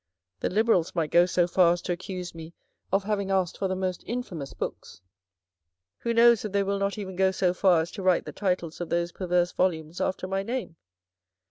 The Liberals might go so far as to accuse me of having asked for the most infamous books. Who knows if they will not even go so far as to write the titles of those perverse volumes after my name